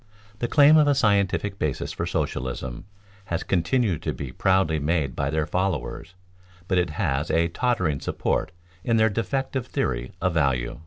The claim of a scientific basis for socialism has continued to be proudly made by their followers, but it has a tottering support in their defective theory of value.